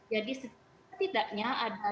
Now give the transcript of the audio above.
jadi setidaknya ada dua peran